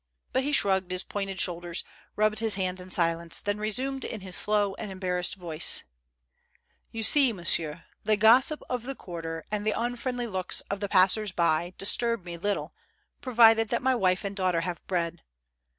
But he shrugged his pointed should ers, rubbed his hands in silence, then resumed in his slow and embarrassed voice: "You see, monsieur, the gossip of the quarter and the unfriendly looks of the passers by disturb me little, provided that my wife and daughter have bread.